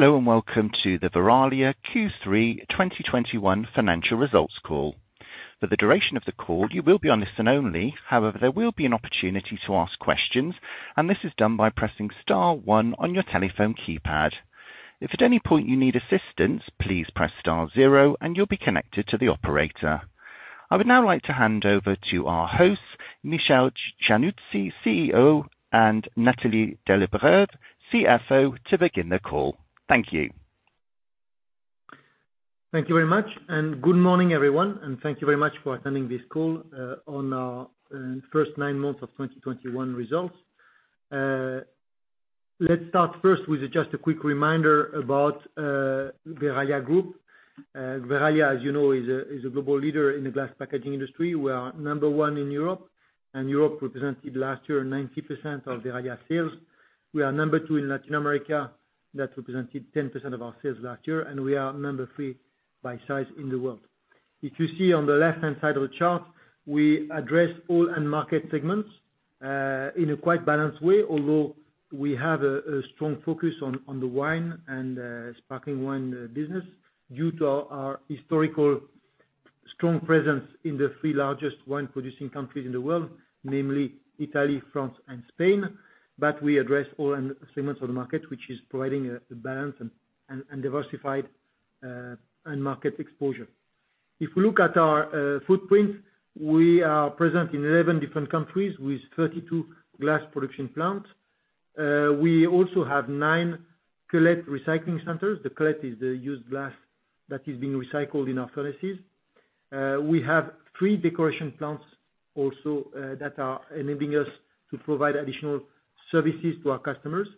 Hello, and welcome to the Verallia Q3 2021 Financial Results Call. For the duration of the call, you will be on listen only. However, there will be an opportunity to ask questions, and this is done by pressing star one on your telephone keypad. If at any point you need assistance, please press star zero, and you'll be connected to the operator. I would now like to hand over to our host, Michel Giannuzzi, CEO, and Nathalie Delbreuve, CFO, to begin the call. Thank you. Thank you very much, and good morning, everyone, and thank you very much for attending this call on our first nine months of 2021 results. Let's start first with just a quick reminder about Verallia Group. Verallia, as you know, is a global leader in the glass packaging industry. We are number one in Europe, and Europe represented last year 90% of Verallia sales. We are number two in Latin America. That represented 10% of our sales last year, and we are number three by size in the world. If you see on the left-hand side of the chart, we address all end market segments in a quite balanced way, although we have a strong focus on the wine and sparkling wine business due to our historical strong presence in the three largest wine producing countries in the world, namely Italy, France and Spain. We address all end segments of the market, which is providing a balance and diversified end market exposure. If you look at our footprint, we are present in 11 different countries with 32 glass production plants. We also have 9 cullet recycling centers. The cullet is the used glass that is being recycled in our furnaces. We have 3 decoration plants also that are enabling us to provide additional services to our customers.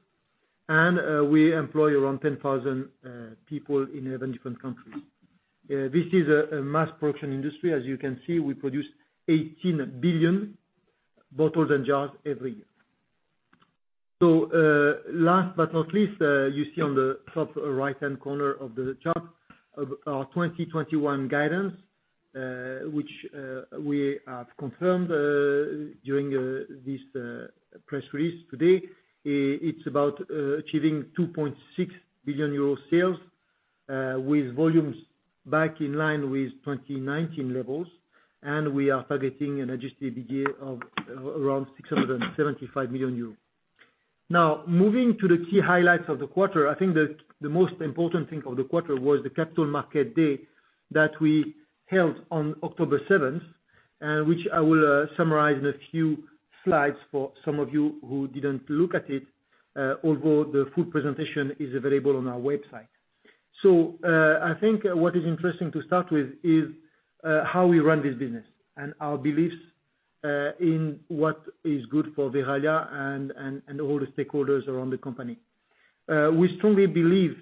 We employ around 10,000 people in 11 different countries. This is a mass production industry. As you can see, we produce 18 billion bottles and jars every year. Last but not least, you see on the top right-hand corner of the chart of our 2021 guidance, which we have confirmed during this press release today. It's about achieving 2.6 billion euro sales with volumes back in line with 2019 levels. We are targeting an adjusted EBITDA of around 675 million euros. Now, moving to the key highlights of the quarter, I think the most important thing of the quarter was the Capital Markets Day that we held on October seventh, which I will summarize in a few slides for some of you who didn't look at it, although the full presentation is available on our website. I think what is interesting to start with is how we run this business and our beliefs in what is good for Verallia and all the stakeholders around the company. We strongly believe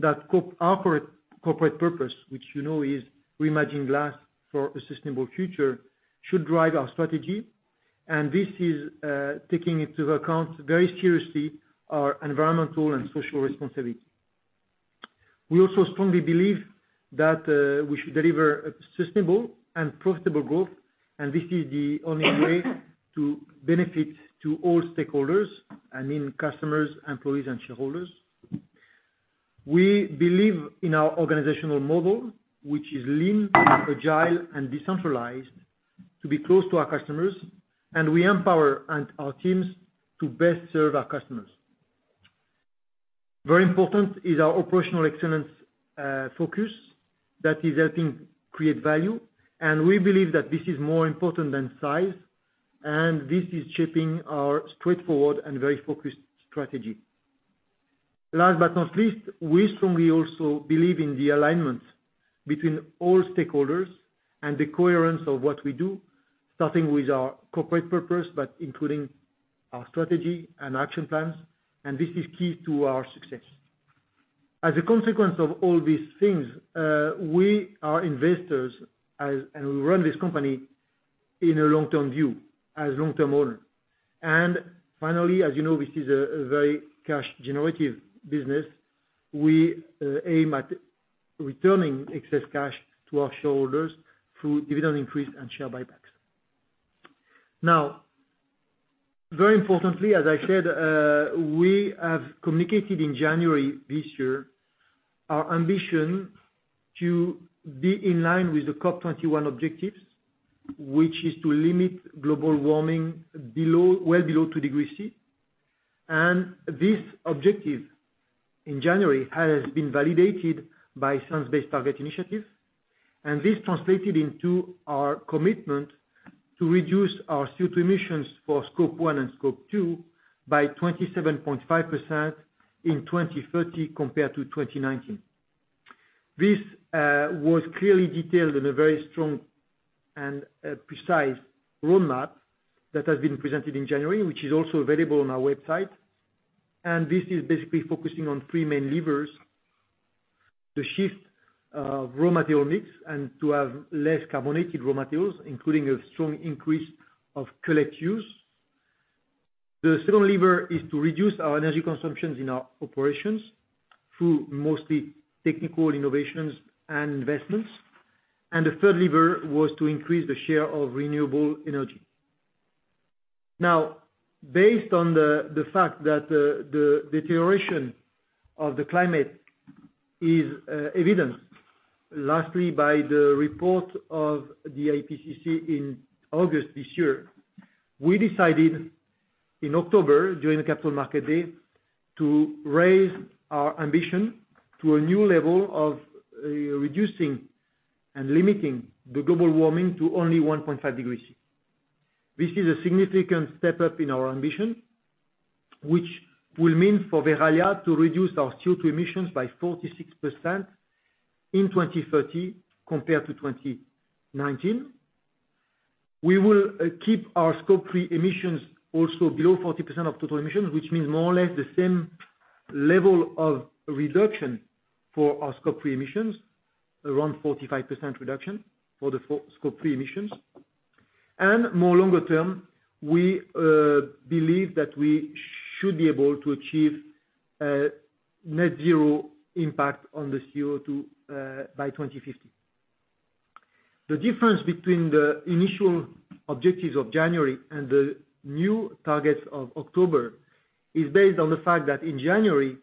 that our corporate purpose, which you know is reimagine glass for a sustainable future should drive our strategy. This is taking into account very seriously our environmental and social responsibility. We also strongly believe that we should deliver a sustainable and profitable growth, and this is the only way to benefit to all stakeholders and our customers, employees and shareholders. We believe in our organizational model, which is lean, agile and decentralized to be close to our customers. We empower our teams to best serve our customers. Very important is our operational excellence focus that is helping create value. We believe that this is more important than size, and this is shaping our straightforward and very focused strategy. Last but not least, we strongly also believe in the alignment between all stakeholders and the coherence of what we do, starting with our corporate purpose, but including our strategy and action plans. This is key to our success. As a consequence of all these things, we are investors and we run this company in a long-term view as long-term owners. Finally, as you know, this is a very cash generative business. We aim at returning excess cash to our shareholders through dividend increase and share buybacks. Now, very importantly, as I said, we have communicated in January this year our ambition to be in line with the COP 21 objectives, which is to limit global warming below, well below 2 degrees C. This objective in January has been validated by Science Based Targets initiative, and this translated into our commitment to reduce our CO2 emissions for Scope 1 and Scope 2 by 27.5% in 2030 compared to 2019. This was clearly detailed in a very strong and precise roadmap that has been presented in January, which is also available on our website. This is basically focusing on three main levers to shift raw material mix and to have less carbon-intensive raw materials, including a strong increase of cullet use. The second lever is to reduce our energy consumptions in our operations through mostly technical innovations and investments. The third lever was to increase the share of renewable energy. Now, based on the fact that the deterioration of the climate is evident, lastly, by the report of the IPCC in August this year, we decided in October, during the Capital Markets Day, to raise our ambition to a new level of reducing and limiting the global warming to only 1.5 degrees Celsius. This is a significant step up in our ambition, which will mean for Verallia to reduce our CO2 emissions by 46% in 2030 compared to 2019. We will keep our Scope 3 emissions also below 40% of total emissions, which means more or less the same level of reduction for our Scope 3 emissions, around 45% reduction for the Scope 3 emissions. More longer term, we believe that we should be able to achieve net zero impact on the CO2 by 2050. The difference between the initial objectives of January and the new targets of October is based on the fact that in January,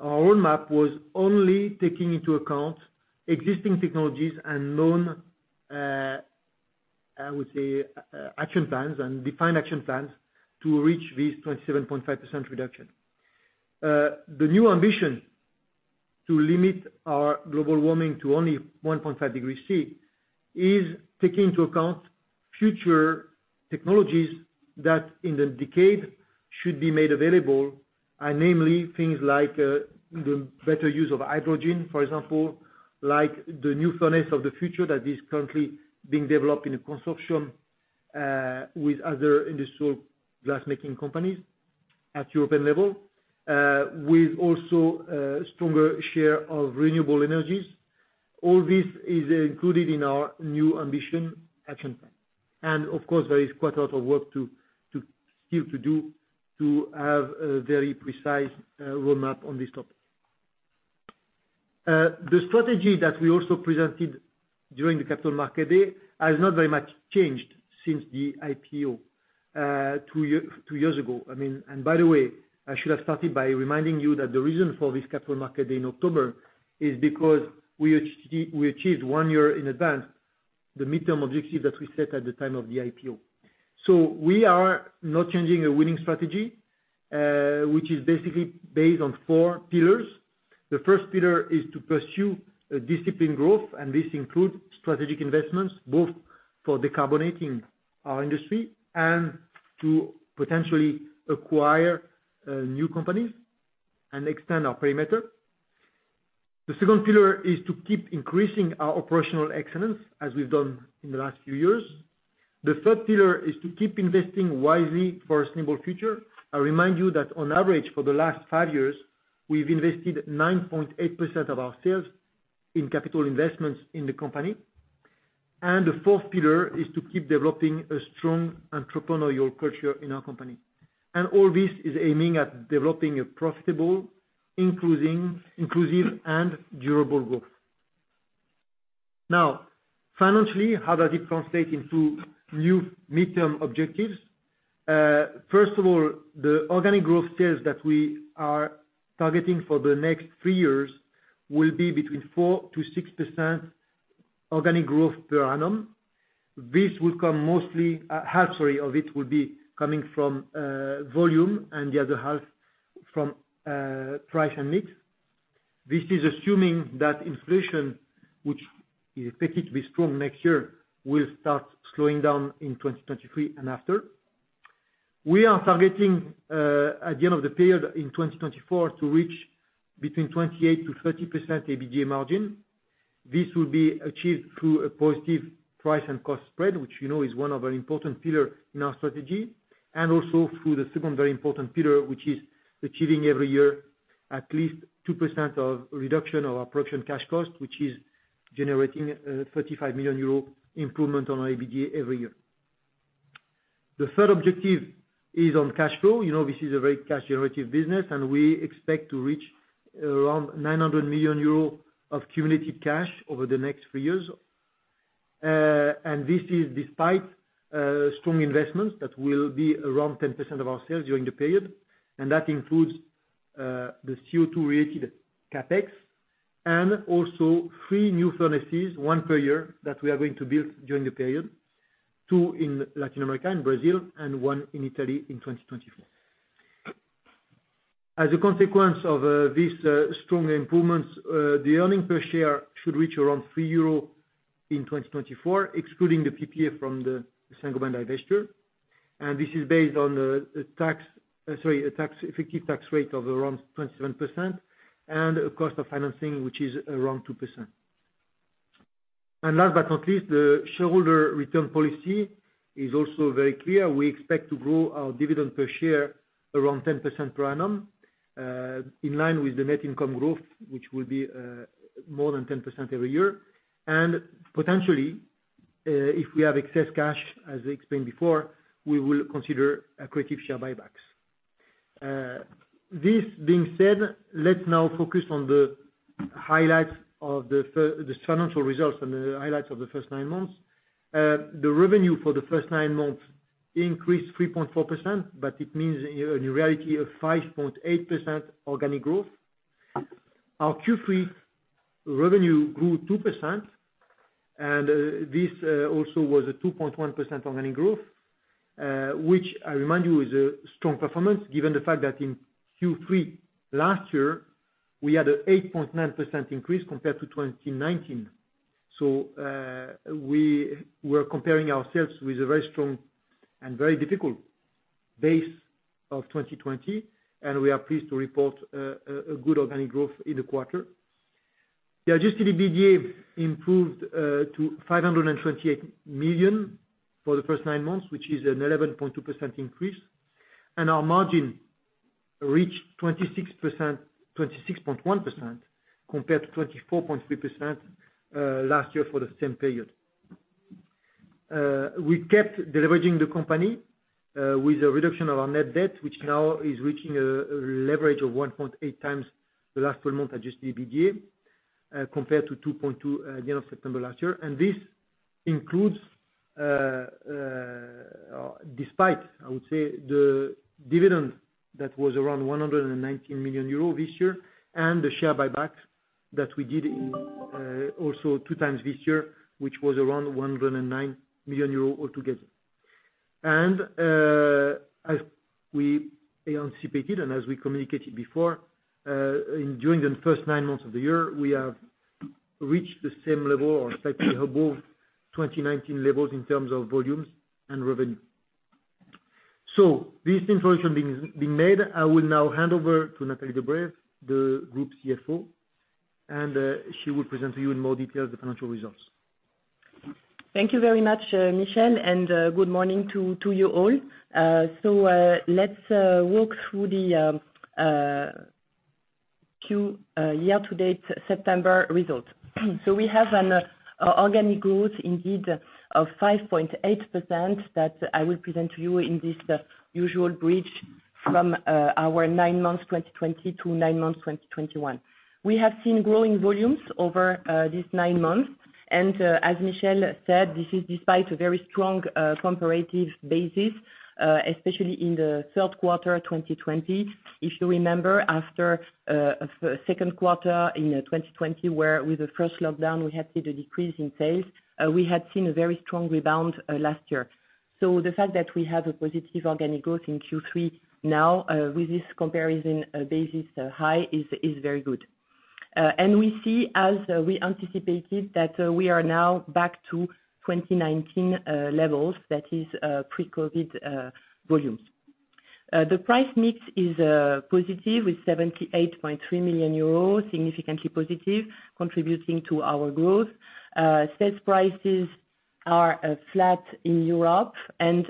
our roadmap was only taking into account existing technologies and known action plans and defined action plans to reach these 27.5% reduction. The new ambition to limit our global warming to only 1.5 degrees C is taking into account future technologies that in the decade should be made available, and namely things like the better use of hydrogen, for example, like the new Furnace of the Future that is currently being developed in a consortium with other industrial glassmaking companies at European level, with also a stronger share of renewable energies. All this is included in our new ambition action plan. Of course, there is quite a lot of work to still do to have a very precise roadmap on this topic. The strategy that we also presented during the Capital Markets Day has not very much changed since the IPO two years ago. I mean, by the way, I should have started by reminding you that the reason for this Capital Markets Day in October is because we achieved 1 year in advance the midterm objective that we set at the time of the IPO. We are not changing a winning strategy, which is basically based on 4 pillars. The first pillar is to pursue a disciplined growth, and this includes strategic investments, both for decarbonating our industry and to potentially acquire new companies and extend our perimeter. The second pillar is to keep increasing our operational excellence as we've done in the last few years. The third pillar is to keep investing wisely for a sustainable future. I remind you that on average, for the last 5 years, we've invested 9.8% of our sales in capital investments in the company. The fourth pillar is to keep developing a strong entrepreneurial culture in our company. All this is aiming at developing a profitable, inclusive and durable growth. Now, financially, how does it translate into new midterm objectives? First of all, the organic growth sales that we are targeting for the next three years will be between 4% to 6% organic growth per annum. This will come mostly, half story of it will be coming from volume and the other half from price and mix. This is assuming that inflation, which is expected to be strong next year, will start slowing down in 2023 and after. We are targeting at the end of the period in 2024 to reach between 28% to 30% EBITDA margin. This will be achieved through a positive price and cost spread, which you know is one of an important pillar in our strategy. Also through the second very important pillar, which is achieving every year at least 2% of reduction of our cash production costs, which is generating 35 million euro improvement on our EBITDA every year. The third objective is on cash flow. You know, this is a very cash generative business, and we expect to reach around 900 million euro of cumulative cash over the next three years. This is despite strong investments that will be around 10% of our sales during the period. That includes the CO2-related CapEx, and also three new furnaces, one per year, that we are going to build during the period. 2 in Latin America and Brazil and 1 in Italy in 2024. As a consequence of this strong improvements, the earnings per share should reach around 3 euro in 2024, excluding the PPA from the Saint-Gobain divestiture. This is based on an effective tax rate of around 27% and a cost of financing, which is around 2%. Last but not least, the shareholder return policy is also very clear. We expect to grow our dividend per share around 10% per annum, in line with the net income growth, which will be more than 10% every year. Potentially, if we have excess cash, as I explained before, we will consider creative share buybacks. This being said, let's now focus on the highlights of the financial results and the highlights of the first nine months. The revenue for the first nine months increased 3.4%, but it means in reality, a 5.8% organic growth. Our Q3 revenue grew 2%, and this also was a 2.1% organic growth, which I remind you is a strong performance given the fact that in Q3 last year, we had an 8.9% increase compared to 2019. We were comparing ourselves with a very strong and very difficult base of 2020, and we are pleased to report a good organic growth in the quarter. The adjusted EBITDA improved to 528 million for the first nine months, which is an 11.2% increase, and our margin reached 26%, 26.1% compared to 24.3% last year for the same period. We kept deleveraging the company with a reduction of our net debt, which now is reaching a leverage of 1.8 times the last four months adjusted EBITDA compared to 2.2 at the end of September last year. This includes, despite, I would say, the dividend that was around 119 million euro this year, and the share buybacks that we did in also two times this year, which was around 109 million euros altogether. As we anticipated, and as we communicated before, during the first nine months of the year, we have reached the same level or slightly above 2019 levels in terms of volumes and revenue. This information being made, I will now hand over to Nathalie Delbreuve, the Group CFO, and she will present to you in more detail the financial results. Thank you very much, Michel, and good morning to you all. Let's walk through the year-to-date September results. We have an organic growth indeed of 5.8% that I will present to you in the usual bridge from our nine months 2020 to nine months 2021. We have seen growing volumes over these nine months, and as Michel said, this is despite a very strong comparative basis, especially in the third quarter of 2020. If you remember, after a second quarter in 2020, where with the first lockdown we had seen a decrease in sales, we had seen a very strong rebound last year. The fact that we have a positive organic growth in Q3 now, with this comparison basis high is very good. We see, as we anticipated that, we are now back to 2019 levels. That is, pre-COVID volumes. The price mix is positive with 78.3 million euros, significantly positive, contributing to our growth. Sales prices are flat in Europe, and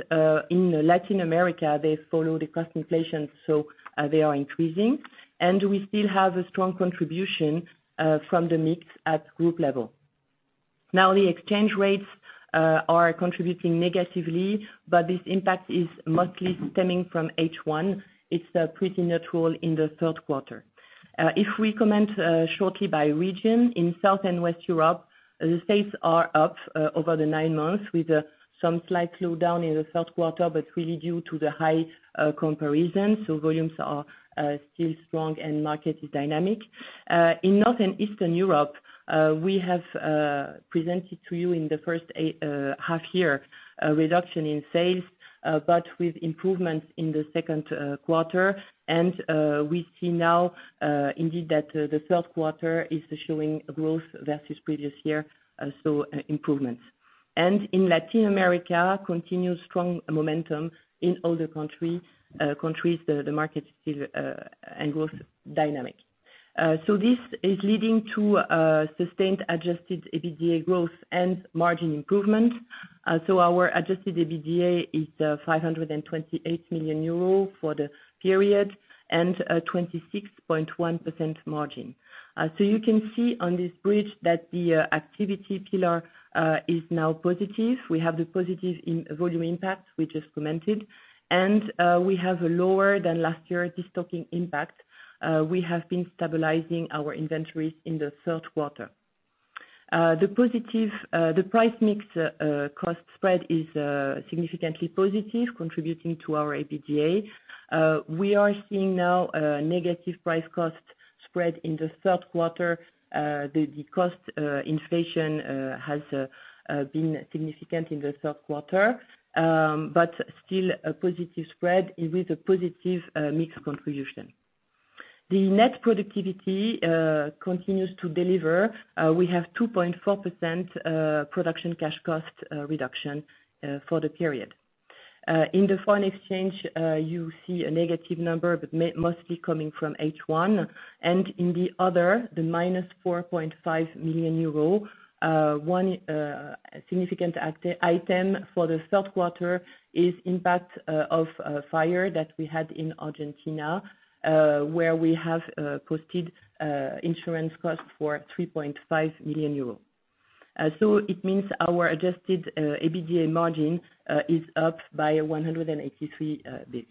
in Latin America, they follow the cost inflation, so they are increasing. We still have a strong contribution from the mix at group level. Now, the exchange rates are contributing negatively, but this impact is mostly stemming from H1. It's pretty neutral in the third quarter. If we comment shortly by region, in South and West Europe, the sales are up over the 9 months with some slight slowdown in the third quarter, but really due to the high comparison. Volumes are still strong, and market is dynamic. In Northern and Eastern Europe, we have presented to you in the first half year a reduction in sales, but with improvements in the second quarter. We see now indeed that the third quarter is showing growth versus previous year, so improvements. In Latin America, continuous strong momentum in all the countries. The market is still dynamic and growing. This is leading to sustained adjusted EBITDA growth and margin improvement. Our adjusted EBITDA is 528 million euro for the period and a 26.1% margin. You can see on this bridge that the activity pillar is now positive. We have the positive in volume impact, which is commented, and we have lower than last year destocking impact. We have been stabilizing our inventories in the third quarter. The positive price mix cost spread is significantly positive, contributing to our EBITDA. We are seeing now a negative price/cost spread in the third quarter. The cost inflation has been significant in the third quarter, but still a positive spread with a positive mixed contribution. The net productivity continues to deliver. We have 2.4% cash production costs reduction for the period. In the foreign exchange, you see a negative number, but mostly coming from H1. In the other, the minus 4.5 million euro, one significant item for the third quarter is impact of a fire that we had in Argentina, where we have posted insurance costs for 3.5 million euros. So it means our adjusted EBITDA margin is up by 183 basis points.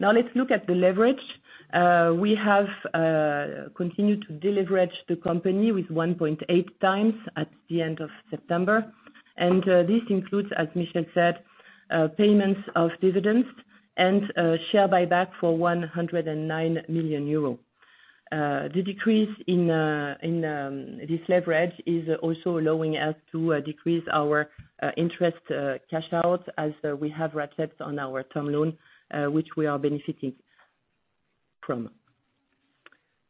Now let's look at the leverage. We have continued to deleverage the company with 1.8 times at the end of September. This includes, as Michel said, payments of dividends and share buyback for 109 million euro. The decrease in this leverage is also allowing us to decrease our interest cash outflows as we have rate steps on our term loan, which we are benefiting from.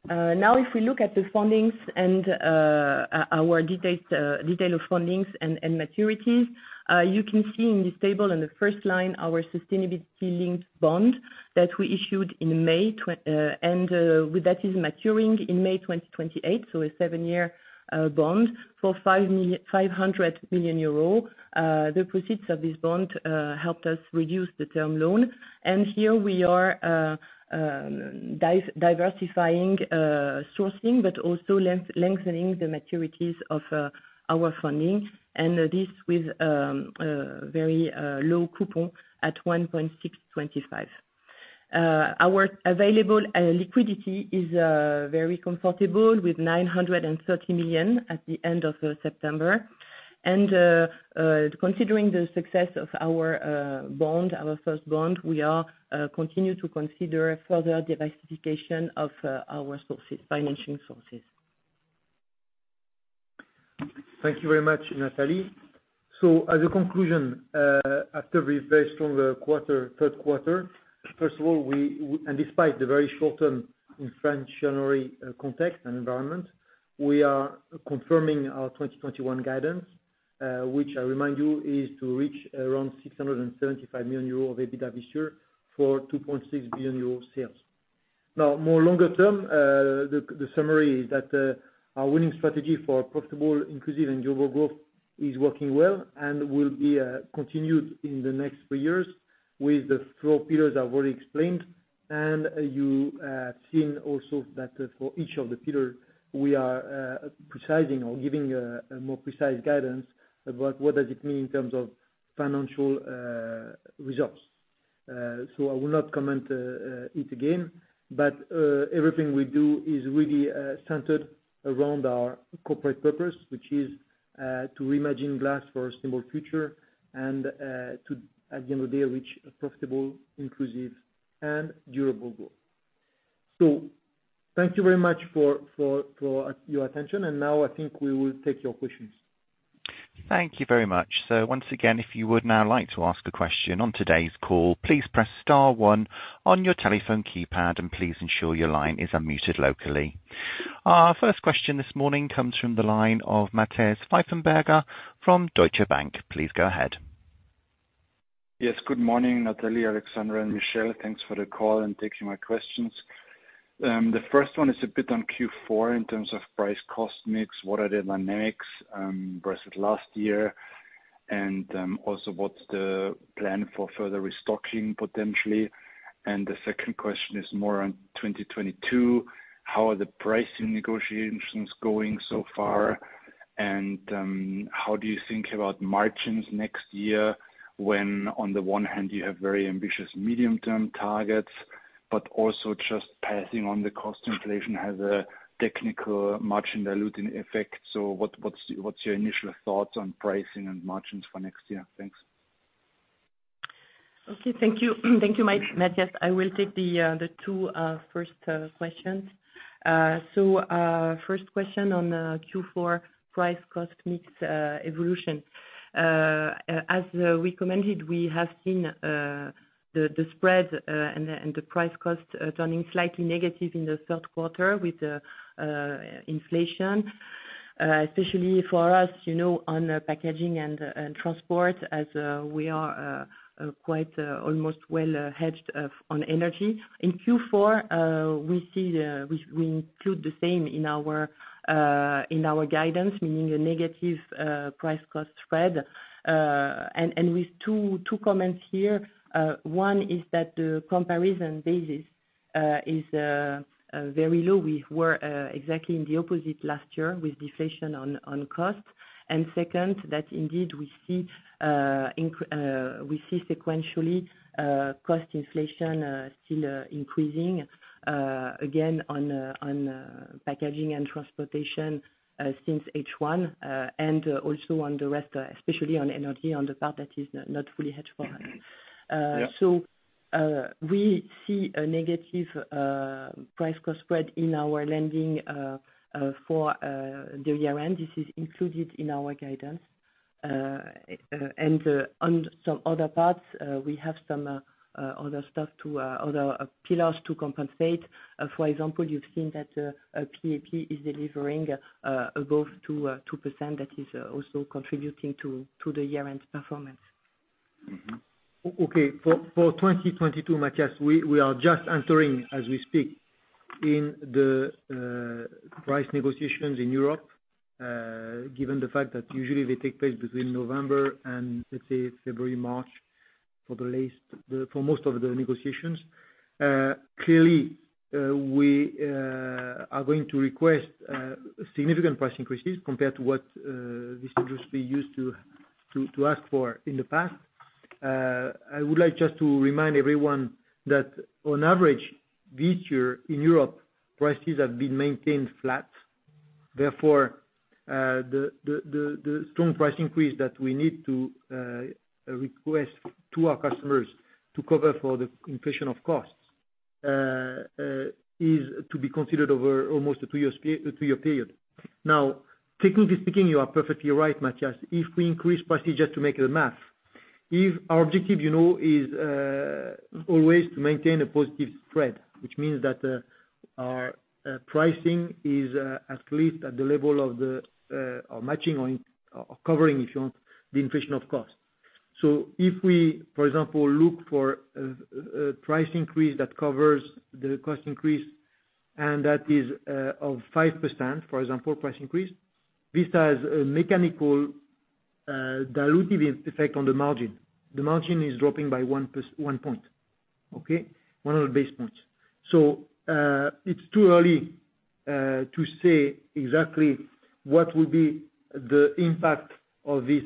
Now if we look at the fundings and our detail of fundings and maturities, you can see in this table on the first line, our Sustainability-Linked Bond that we issued in May 2021 and that is maturing in May 2028, so a 7-year bond for 500 million euros. The proceeds of this bond helped us reduce the term loan. Here we are diversifying sourcing but also lengthening the maturities of our funding. This with very low coupon at 1.625%. Our available liquidity is very comfortable with 930 million at the end of September. Considering the success of our bond, our first bond, we continue to consider further diversification of our financing sources. Thank you very much, Nathalie. As a conclusion, after our very strong third quarter, first of all, despite the very short term inflationary context and environment, we are confirming our 2021 guidance, which I remind you is to reach around 675 million euros of EBITDA this year for 2.6 billion euros sales. Now, longer term, the summary is that our winning strategy for profitable, inclusive and durable growth is working well and will be continued in the next three years with the four pillars I've already explained. You have seen also that for each of the pillars, we are providing or giving a more precise guidance about what does it mean in terms of financial results. I will not comment it again, but everything we do is really centered around our corporate purpose, which is to reimagine glass for a sustainable future and to at the end of day, reach a profitable, inclusive and durable goal. Thank you very much for your attention. Now I think we will take your questions. Thank you very much. Once again, if you would now like to ask a question on today's call, please press star one on your telephone keypad and please ensure your line is unmuted locally. Our first question this morning comes from the line of Matthias Pfeifenberger from Deutsche Bank. Please go ahead. Yes, good morning, Nathalie, Alexandra, and Michel. Thanks for the call and taking my questions. The first one is a bit on Q4 in terms of price cost mix. What are the dynamics versus last year? Also, what's the plan for further restocking potentially? The second question is more on 2022, how are the pricing negotiations going so far? How do you think about margins next year when on the one hand you have very ambitious medium-term targets, but also just passing on the cost inflation has a technical margin diluting effect. What's your initial thoughts on pricing and margins for next year? Thanks. Okay, thank you. Thank you, Mike. Matthias, I will take the two first questions. First question on Q4 price/cost mix evolution. As we commented, we have seen the spread and the price/cost turning slightly negative in the third quarter with the inflation, especially for us, you know, on packaging and transport as we are quite almost well hedged on energy. In Q4, we see we include the same in our guidance, meaning a negative price/cost spread. With two comments here. One is that the comparison basis is very low. We were exactly in the opposite last year with deflation on cost. Second, that indeed we see sequentially cost inflation still increasing again on packaging and transportation since H1 and also on the rest, especially on energy, on the part that is not fully hedged for. We see a negative price/cost spread in Latin for the year-end. This is included in our guidance. On some other parts, we have some other pillars to compensate. For example, you've seen that PAP is delivering above 2% that is also contributing to the year-end performance. Okay. For 2022, Matthias, we are just entering as we speak in the price negotiations in Europe. Given the fact that usually they take place between November and let's say February, March. At least for most of the negotiations. Clearly, we are going to request significant price increases compared to what this industry used to ask for in the past. I would like just to remind everyone that on average this year in Europe, prices have been maintained flat. Therefore, the strong price increase that we need to request to our customers to cover for the inflation of costs is to be considered over almost a two-year period. Now, technically speaking, you are perfectly right, Matthias. If we increase prices just to make the math, if our objective, you know, is always to maintain a positive spread, which means that our pricing is at least at the level of our matching or covering, if you want, the inflation of cost. If we, for example, look for a price increase that covers the cost increase, and that is of 5%, for example, price increase, this has a mechanical dilutive effect on the margin. The margin is dropping by 1 + 1 point, okay? 100 basis points. It's too early to say exactly what will be the impact of these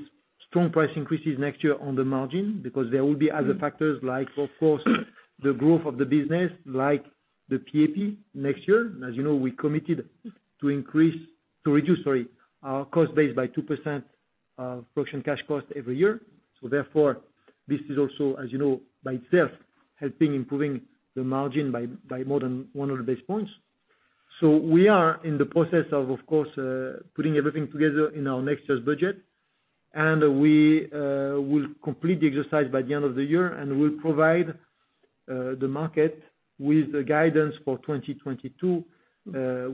strong price increases next year on the margin. Because there will be other factors like, of course, the growth of the business, like the PAP next year. As you know, we committed to reduce our cost base by 2% cash production costs every year. Therefore, this is also, as you know, by itself, helping improving the margin by more than 100 basis points. We are in the process, of course, putting everything together in our next year's budget. We will complete the exercise by the end of the year, and we'll provide the market with the guidance for 2022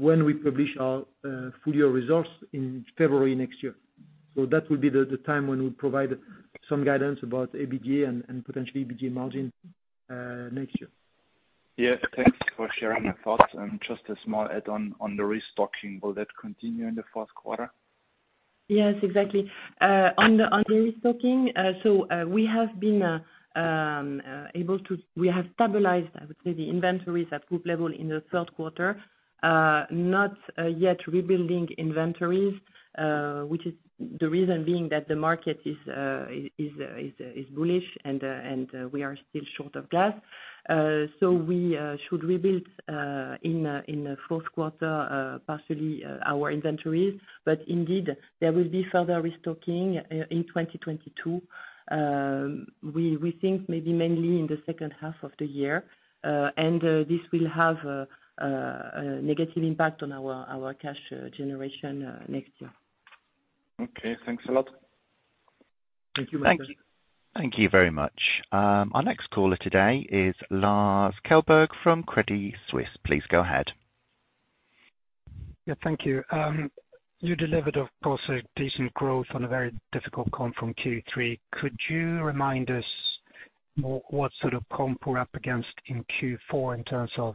when we publish our full-year results in February next year. That will be the time when we'll provide some guidance about ABG and potentially EBITDA margin next year. Yeah. Thanks for sharing your thoughts. Just a small add-on on the restocking. Will that continue in the fourth quarter? Yes, exactly. On the restocking, we have stabilized, I would say, the inventories at group level in the third quarter. Not yet rebuilding inventories, which is the reason being that the market is bullish and we are still short of gas. We should rebuild in the fourth quarter, partially, our inventories. But indeed there will be further restocking in 2022. We think maybe mainly in the second half of the year. This will have a negative impact on our cash generation next year. Okay. Thanks a lot. Thank you, Matthias. Thank you. Thank you very much. Our next caller today is Lars Kjellberg from Credit Suisse. Please go ahead. Yeah, thank you. You delivered, of course, a decent growth on a very difficult comp from Q3. Could you remind us what sort of comp we're up against in Q4 in terms of,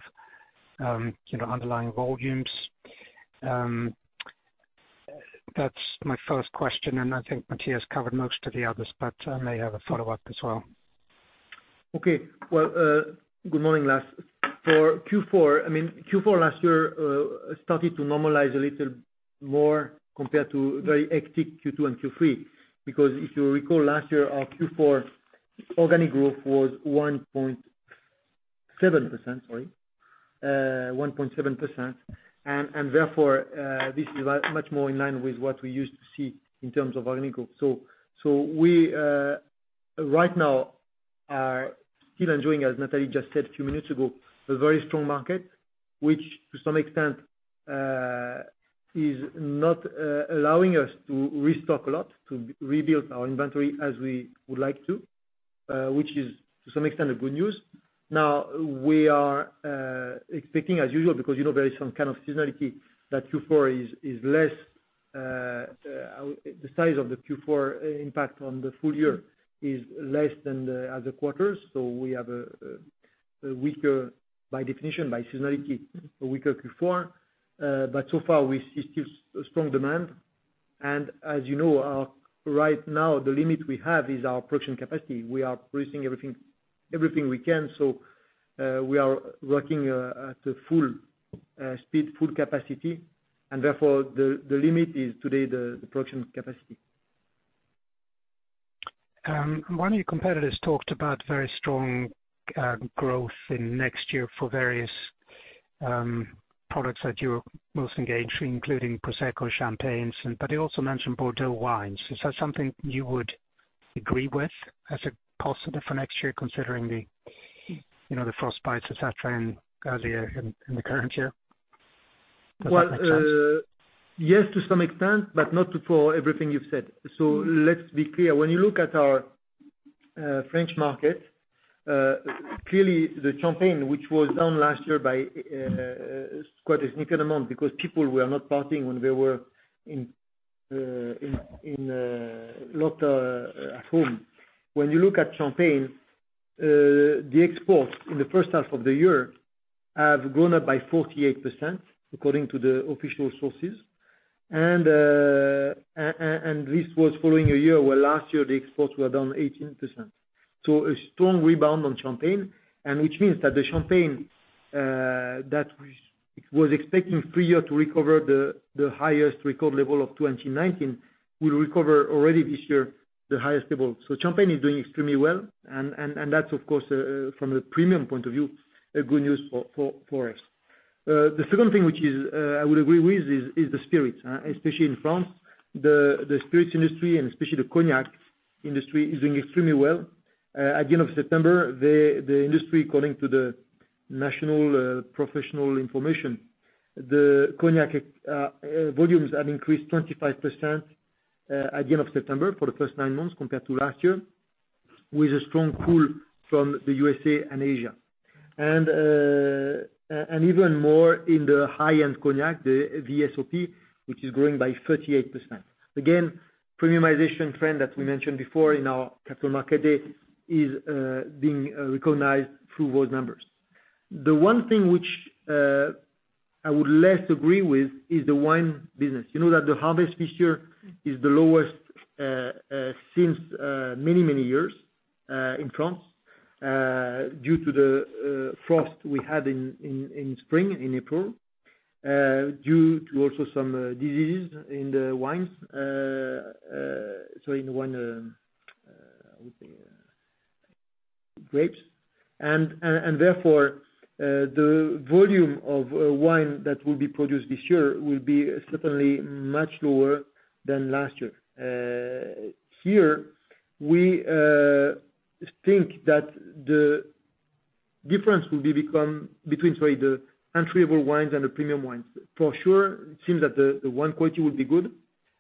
you know, underlying volumes? That's my first question, and I think Matthias covered most of the others, but may have a follow-up as well. Okay. Well, good morning, Lars. For Q4, I mean, Q4 last year, started to normalize a little more compared to very hectic Q2 and Q3. Because if you recall last year, our Q4 organic growth was 1.7%. Therefore, this is much more in line with what we used to see in terms of organic growth. We right now are still enjoying, as Nathalie just said a few minutes ago, a very strong market, which to some extent is not allowing us to restock a lot, to rebuild our inventory as we would like to, which is to some extent the good news. Now, we are expecting as usual, because you know, there is some kind of seasonality that Q4 is less, the size of the Q4 impact on the full year is less than the other quarters. We have a weaker, by definition, by seasonality, a weaker Q4. So far we see still strong demand. As you know, right now, the limit we have is our production capacity. We are producing everything we can. We are working at full speed, full capacity, and therefore the limit is today the production capacity. One of your competitors talked about very strong growth in next year for various products that you're most engaged, including Prosecco, Champagne, and but he also mentioned Bordeaux wines. Is that something you would agree with as a positive for next year, considering the frost bites etc. and earlier in the current year? Does that make sense? Well, yes to some extent, but not for everything you've said. Let's be clear. When you look at our French market, clearly the Champagne, which was down last year by quite a significant amount because people were not partying when they were in lockdown at home. When you look at Champagne, the exports in the first half of the year have gone up by 48% according to the official sources. This was following a year where last year the exports were down 18%. A strong rebound on Champagne, and which means that the Champagne that we was expecting three year to recover the highest record level of 2019, will recover already this year, the highest level. Champagne is doing extremely well and that's of course from the premium point of view good news for us. The second thing which is I would agree with is the spirits especially in France. The spirits industry and especially the cognac industry is doing extremely well. At the end of September, the industry, according to the national professional information, the cognac volumes have increased 25% at the end of September for the first nine months compared to last year, with a strong pull from the USA and Asia. Even more in the high-end cognac, the VSOP, which is growing by 38%. Again, premiumization trend that we mentioned before in our Capital Markets Day is being recognized through those numbers. The one thing which I would less agree with is the wine business. You know that the harvest this year is the lowest since many years in France due to the frost we had in spring in April due to also some diseases in the vines, so in the wine grapes, therefore the volume of wine that will be produced this year will be certainly much lower than last year. Here we think that the difference will be between, sorry, the entry-level wines and the premium wines. For sure it seems that the wine quality will be good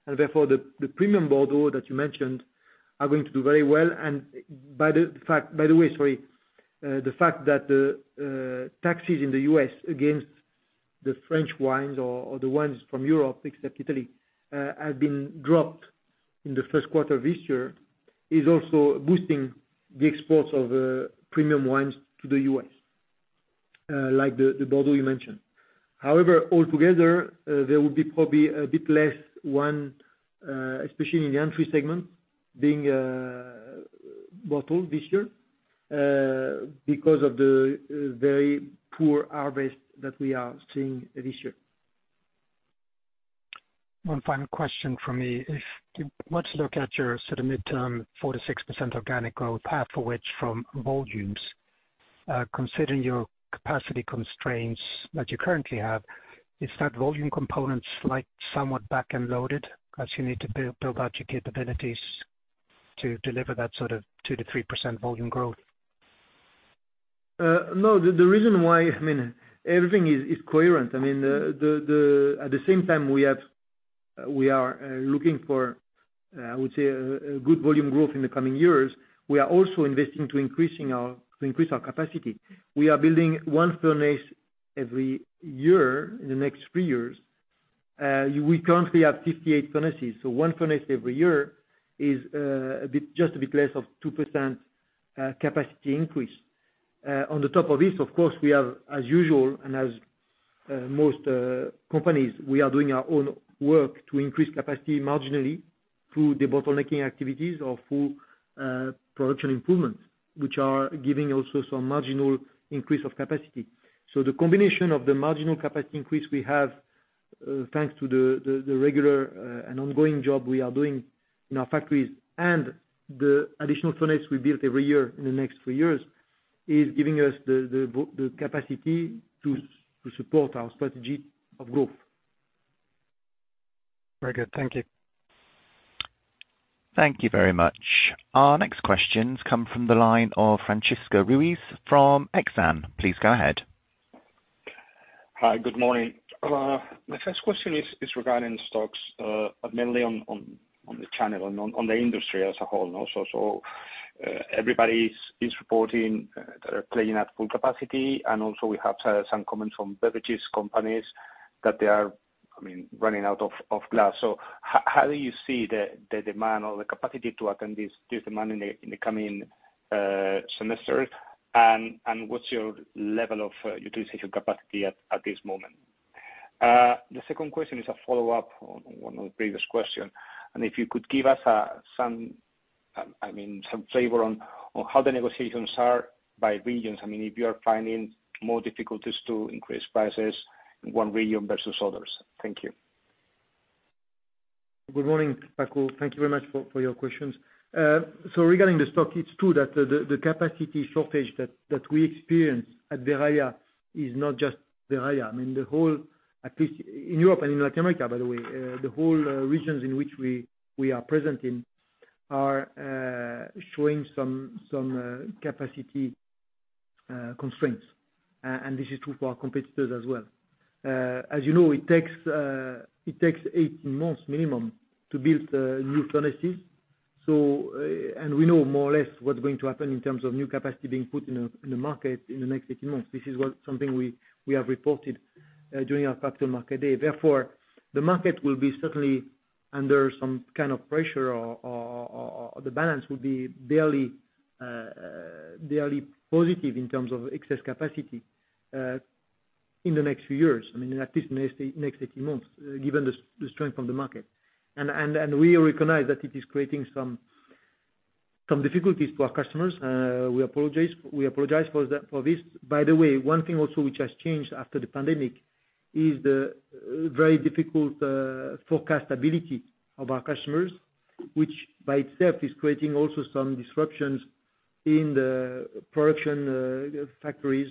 and therefore the premium Bordeaux that you mentioned are going to do very well. By the way, sorry. The fact that the taxes in the U.S. against the French wines or the wines from Europe, except Italy, have been dropped in the first quarter of this year is also boosting the exports of premium wines to the U.S., like the Bordeaux you mentioned. However, altogether, there will be probably a bit less wine, especially in the entry segment, being bottled this year because of the very poor harvest that we are seeing this year. One final question from me. If you want to look at your sort of mid-term 4% to 6% organic growth, half of which from volumes, considering your capacity constraints that you currently have, is that volume component slightly somewhat back-loaded as you need to build out your capabilities to deliver that sort of 2% to 3% volume growth? No. The reason why, I mean, everything is coherent. I mean, at the same time, we are looking for, I would say, a good volume growth in the coming years. We are also investing to increase our capacity. We are building 1 furnace every year in the next 3 years. We currently have 58 furnaces. So 1 furnace every year is a bit, just a bit less than 2% capacity increase. On top of this, of course, we have, as usual and as most companies, we are doing our own work to increase capacity marginally through the bottlenecking activities or through production improvements, which are also giving some marginal increase of capacity. The combination of the marginal capacity increase we have, thanks to the regular and ongoing job we are doing in our factories and the additional furnaces we build every year in the next three years is giving us the capacity to support our strategy of growth. Very good. Thank you. Thank you very much. Our next questions come from the line of Francisco Ruiz from Exane. Please go ahead. Hi. Good morning. My first question is regarding stocks, mainly on the channel and on the industry as a whole and also. Everybody is reporting they are running at full capacity. And also we have some comments from beverage companies that they are, I mean, running out of glass. How do you see the demand or the capacity to meet this demand in the coming semester? And what's your level of capacity utilization at this moment? The second question is a follow-up on one of the previous questions. If you could give us some flavor on how the negotiations are by regions. I mean, if you are finding more difficulties to increase prices in one region versus others. Thank you. Good morning, Paco. Thank you very much for your questions. Regarding the stock, it's true that the capacity shortage that we experienced at Verallia is not just Verallia. I mean, the whole, at least in Europe and in Latin America, by the way, the whole regions in which we are present are showing some capacity constraints. And this is true for our competitors as well. As you know, it takes 18 months minimum to build new furnaces. We know more or less what's going to happen in terms of new capacity being put in the market in the next 18 months. This is something we have reported during our Capital Markets Day. Therefore, the market will be certainly under some kind of pressure or the balance will be barely positive in terms of excess capacity in the next few years. I mean, at least next eighteen months, given the strength from the market. We recognize that it is creating some difficulties for our customers. We apologize for this. By the way, one thing also which has changed after the pandemic is the very difficult forecastability of our customers, which by itself is creating also some disruptions in the production factories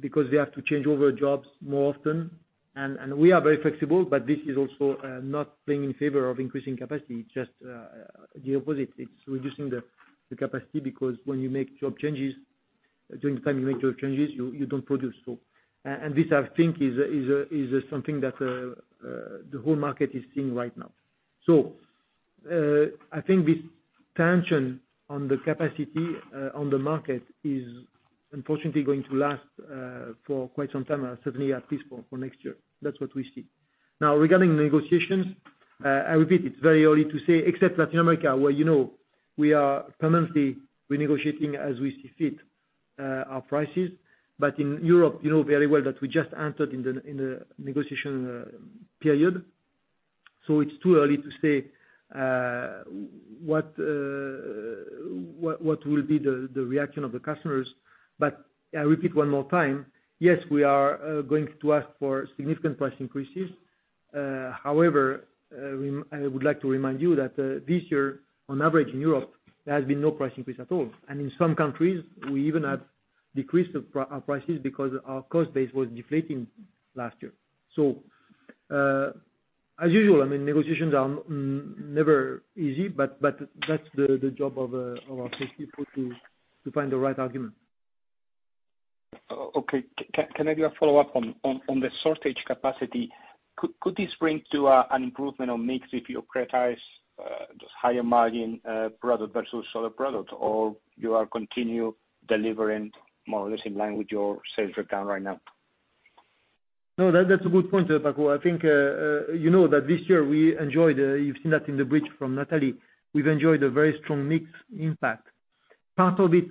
because they have to change over jobs more often. We are very flexible, but this is also not playing in favor of increasing capacity, just the opposite. It's reducing the capacity because when you make job changes, during the time you make job changes, you don't produce. This I think is something that the whole market is seeing right now. I think this tension on the capacity on the market is unfortunately going to last for quite some time, or certainly at least for next year. That's what we see. Now, regarding negotiations, I repeat, it's very early to say, except Latin America, where, you know, we are permanently renegotiating as we see fit our prices. In Europe, you know very well that we just entered in the negotiation period, so it's too early to say what will be the reaction of the customers. I repeat one more time, yes, we are going to ask for significant price increases. However, I would like to remind you that this year, on average in Europe, there has been no price increase at all. In some countries, we even have decreased our prices because our cost base was deflating last year. As usual, I mean, negotiations are never easy, but that's the job of our sales people to find the right argument. Okay. Can I do a follow-up on the shortage capacity? Could this bring to an improvement on mix if you prioritize just higher margin product versus other product? Or you are continue delivering more or less in line with your sales breakdown right now? No, that's a good point there, Paco. I think, you know that this year we enjoyed, you've seen that in the bridge from Nathalie, we've enjoyed a very strong mix impact. Part of it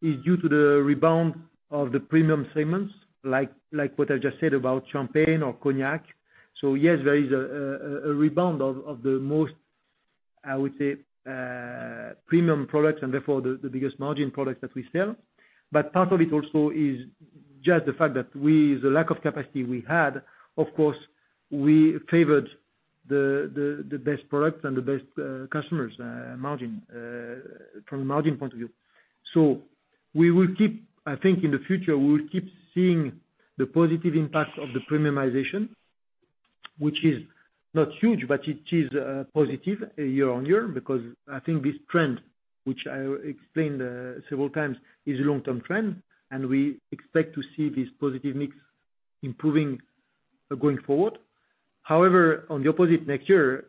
is due to the rebound of the premium segments, like what I just said about Champagne or Cognac. Yes, there is a rebound of the most, I would say, premium products and therefore the biggest margin products that we sell. Part of it also is just the fact that we, the lack of capacity we had, of course, we favored the best products and the best customers from a margin point of view. We will keep, I think in the future, we will keep seeing the positive impact of the premiumization, which is not huge, but it is positive year on year, because I think this trend, which I explained several times, is a long-term trend, and we expect to see this positive mix improving going forward. However, on the opposite next year,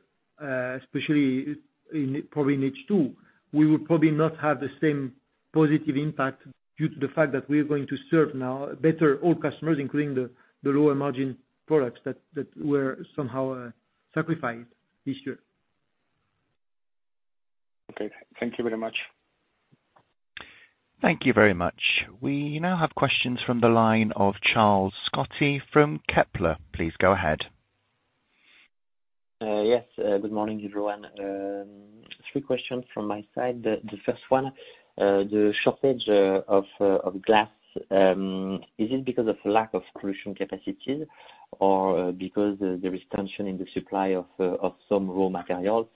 especially in, probably in H2, we will probably not have the same positive impact due to the fact that we are going to serve now better all customers, including the lower margin products that were somehow sacrificed this year. Okay. Thank you very much. Thank you very much. We now have questions from the line of Charles-Louis Scotti from Kepler heuvreux. Please go ahead. Yes. Good morning, everyone. Three questions from my side. The first one, the shortage of glass, is it because of lack of production capacity or because there is tension in the supply of some raw materials?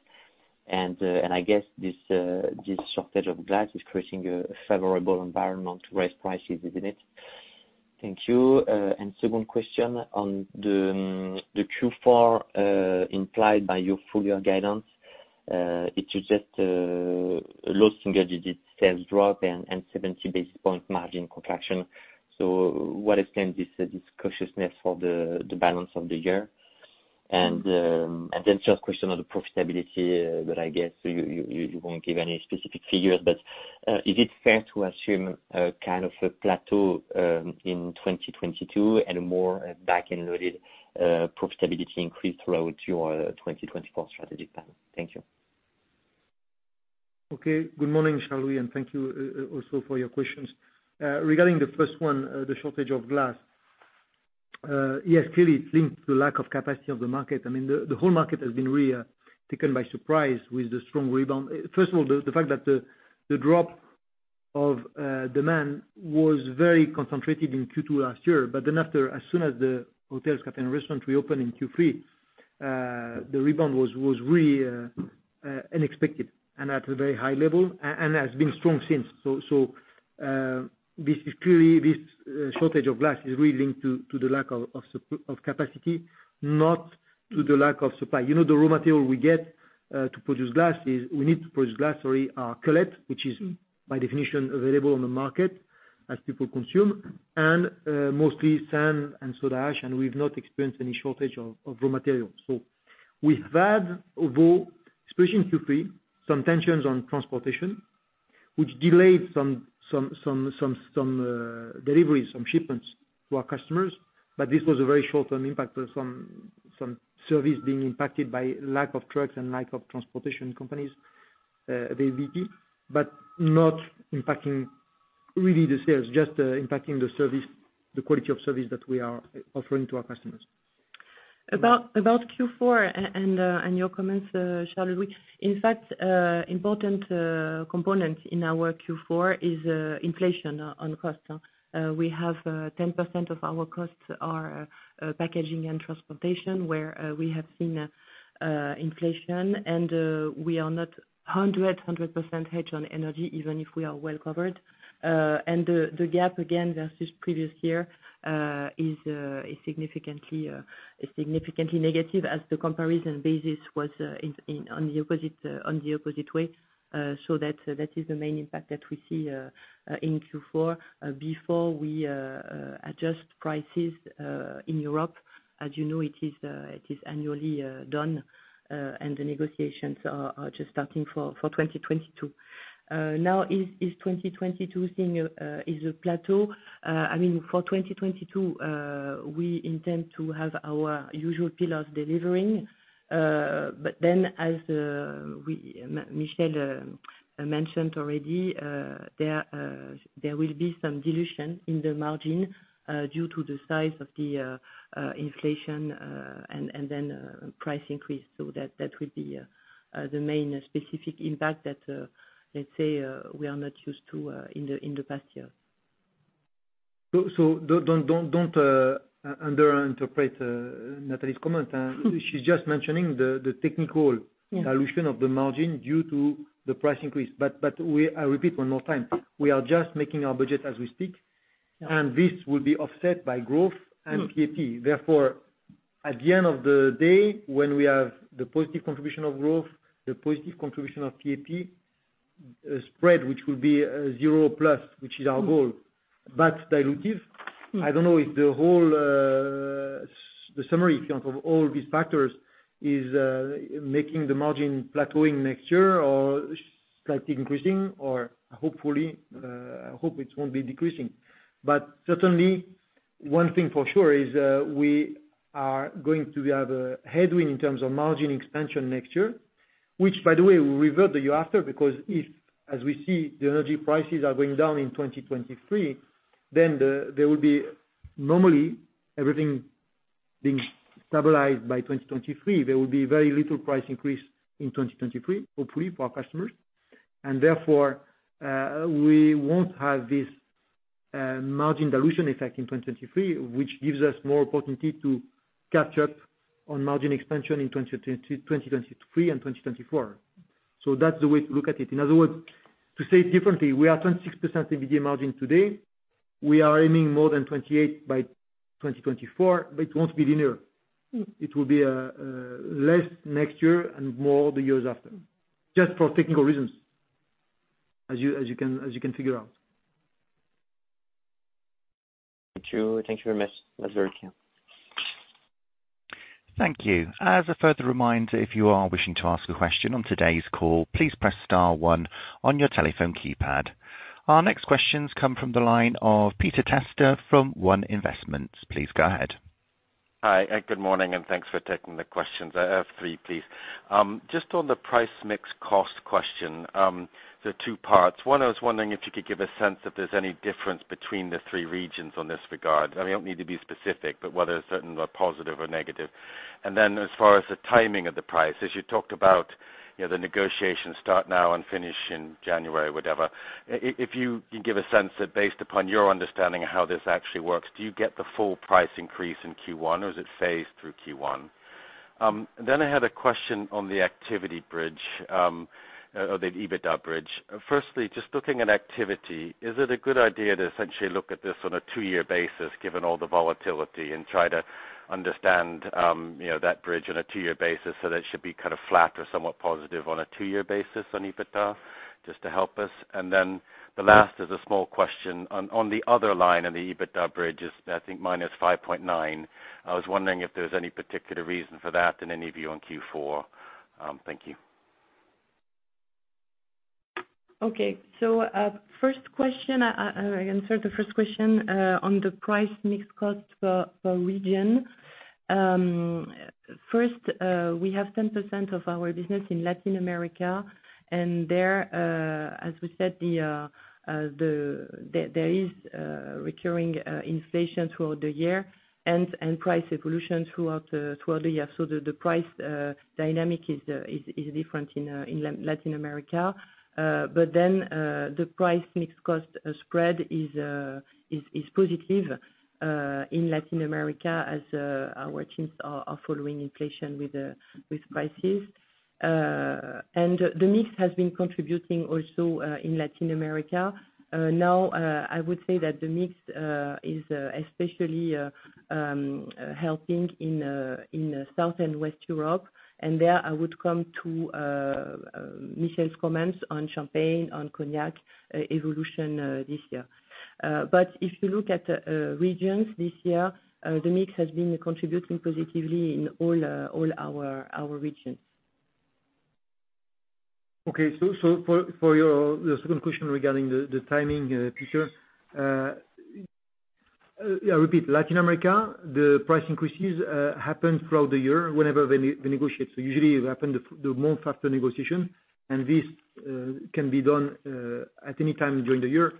I guess this shortage of glass is creating a favorable environment to raise prices, isn't it? Thank you. Second question on the Q4 implied by your full year guidance, it's just low single digits sales drop and 70 basis point margin contraction. What explains this cautiousness for the balance of the year? Just question on the profitability, but I guess you won't give any specific figures, but is it fair to assume a kind of a plateau in 2022 and more back-end loaded profitability increase throughout your 2024 strategic plan? Thank you. Okay. Good morning, Charles, and thank you also for your questions. Regarding the first one, the shortage of glass, yes, clearly it's linked to lack of capacity of the market. I mean, the whole market has been really taken by surprise with the strong rebound. First of all, the fact that the drop of demand was very concentrated in Q2 last year, but then after, as soon as the hotels, cafes, and restaurants reopened in Q3, the rebound was really unexpected and at a very high level and has been strong since. This is clearly this shortage of glass is really linked to the lack of capacity, not to the lack of supply. You know, the raw material we get to produce glass is cullet, which is by definition available on the market as people consume, and mostly sand and soda ash, and we've not experienced any shortage of raw materials. With that, although especially in Q3, some tensions on transportation which delayed some deliveries, some shipments to our customers, but this was a very short-term impact of some service being impacted by lack of trucks and lack of transportation companies, the Not impacting really the sales, just impacting the service, the quality of service that we are offering to our customers. About Q4 and your comments, Charles, in fact, important component in our Q4 is inflation on cost. We have 10% of our costs are packaging and transportation, where we have seen inflation and we are not 100% hedged on energy, even if we are well covered. And the gap again versus previous year is significantly negative as the comparison basis was in on the opposite way. So that is the main impact that we see in Q4 before we adjust prices in Europe. As you know, it is annually done, and the negotiations are just starting for 2022. Now, is 2022 seeing a plateau? I mean, for 2022, we intend to have our usual pillars delivering. As Michel mentioned already, there will be some dilution in the margin due to the size of the inflation and then price increase. That will be the main specific impact that, let's say, we are not used to in the past year. Don't misinterpret Nathalie's comment. She's just mentioning the technical dilution of the margin due to the price increase. But I repeat one more time, we are just making our budget as we speak, and this will be offset by growth and PAP. Therefore, at the end of the day, when we have the positive contribution of growth, the positive contribution of PAP, spread, which will be zero plus, which is our goal. But dilutive, I don't know if the whole, the summary count of all these factors is making the margin plateauing next year or slightly increasing or hopefully it won't be decreasing. Certainly one thing for sure is we are going to have a headwind in terms of margin expansion next year, which by the way will revert the year after. Because if, as we see, the energy prices are going down in 2023, then there will be very little price increase in 2023, normally everything being stabilized by 2023, hopefully for our customers. Therefore, we won't have this margin dilution effect in 2023, which gives us more opportunity to catch up on margin expansion in 2022, 2023 and 2024. That's the way to look at it. In other words, to say it differently, we are at 26% EBITDA margin today. We are aiming more than 28% by 2024, but it won't be linear. It will be less next year and more the years after, just for technical reasons, as you can figure out. Thank you. Thank you very much. That's very clear. Thank you. As a further reminder, if you are wishing to ask a question on today's call, please press star one on your telephone keypad. Our next questions come from the line of Peter Testa from One Investments. Please go ahead. Hi, good morning and thanks for taking the questions. I have three, please. Just on the price mix cost question, there are two parts. One, I was wondering if you could give a sense if there's any difference between the three regions on this regard. I mean, don't need to be specific, but whether certain were positive or negative. Then as far as the timing of the price, as you talked about, you know, the negotiations start now and finish in January, whatever. If you can give a sense that based upon your understanding of how this actually works, do you get the full price increase in Q1 or is it phased through Q1? Then I had a question on the activity bridge, or the EBITDA bridge. Firstly, just looking at activity, is it a good idea to essentially look at this on a two-year basis, given all the volatility, and try to understand, you know, that bridge on a two-year basis so that it should be kind of flat or somewhat positive on a two-year basis on EBITDA? Just to help us. The last is a small question. On the other line of the EBITDA bridge is, I think -5.9. I was wondering if there's any particular reason for that in any view on Q4. Thank you. Okay. First question, I answer the first question on the price mix cost per region. First, we have 10% of our business in Latin America, and there, as we said, there is recurring inflation throughout the year and price evolution throughout the year. The price dynamic is different in Latin America. The price mix cost spread is positive in Latin America as our teams are following inflation with prices. The mix has been contributing also in Latin America. Now, I would say that the mix is especially helping in South and West Europe. There, I would come to Michel's comments on Champagne, on Cognac, evolution, this year. If you look at the regions this year, the mix has been contributing positively in all our regions. For your second question regarding the timing in Latin America, the price increases happen throughout the year whenever they negotiate. Usually it happen the month after negotiation, and this can be done at any time during the year.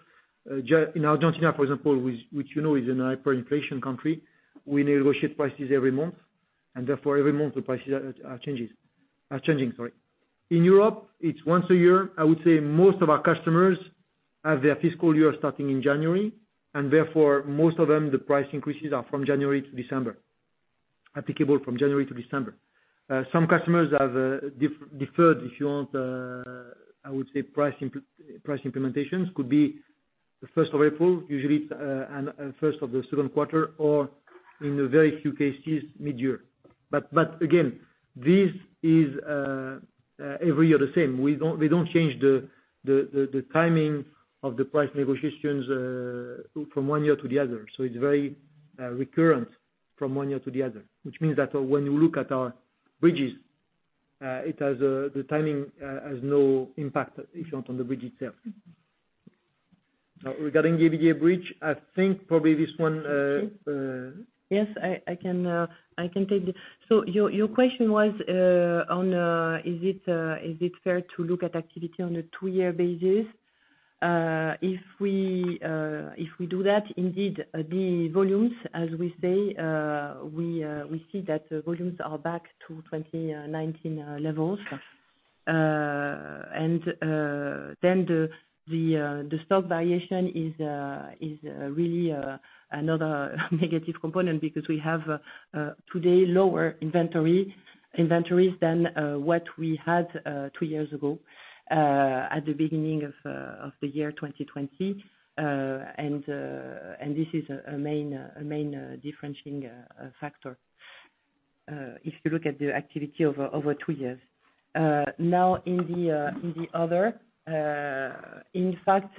In Argentina, for example, which you know is a hyperinflation country, we negotiate prices every month, and therefore every month the prices are changing. In Europe, it's once a year. I would say most of our customers have their fiscal year starting in January, and therefore most of them, the price increases are from January to December, applicable from January to December. Some customers have deferred, if you want, I would say price implementations could be the first of April, usually, first of the second quarter or in very few cases, mid-year. Again, this is every year the same. We don't change the timing of the price negotiations from one year to the other. It's very recurrent from one year to the other, which means that when you look at our bridges, the timing has no impact if not on the bridge itself. Regarding GBG bridge, I think probably this one. I can take it. Your question was on is it fair to look at activity on a two-year basis? If we do that, indeed, the volumes, as we say, we see that the volumes are back to 2019 levels. The stock variation is really another negative component because we have today lower inventories than what we had two years ago at the beginning of the year 2020. This is a main differentiating factor if you look at the activity over two years. Now, in the others, in fact,